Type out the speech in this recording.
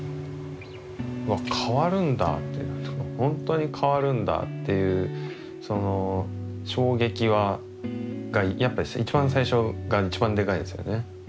わっ変わるんだってほんとに変わるんだっていうその衝撃はやっぱ一番最初が一番デカイですよね。